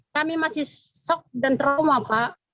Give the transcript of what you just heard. kami masih sok dan trauma pak